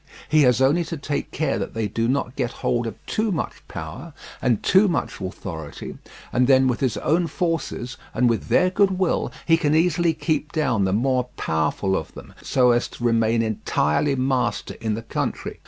He has only to take care that they do not get hold of too much power and too much authority, and then with his own forces, and with their goodwill, he can easily keep down the more powerful of them, so as to remain entirely master in the country.